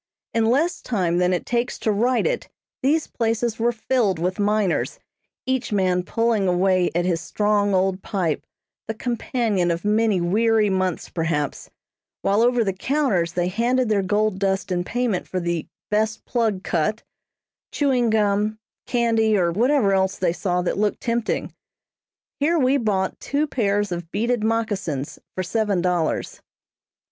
In less time than it takes to write it, these places were filled with miners, each man pulling away at his strong, old pipe, the companion of many weary months perhaps; while over the counters they handed their gold dust in payment for the "best plug cut," chewing gum, candy, or whatever else they saw that looked tempting. Here we bought two pairs of beaded moccasins for seven dollars.